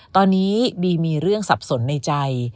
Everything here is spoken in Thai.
ตอนนี้บีมีเรื่องสับสนในใจ